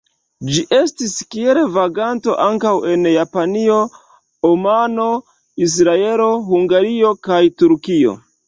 Ĝi estis kiel vaganto ankaŭ en Japanio, Omano, Israelo, Hungario kaj Turkio.